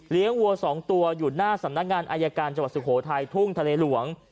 วัว๒ตัวอยู่หน้าสำนักงานอายการจังหวัดสุโขทัยทุ่งทะเลหลวง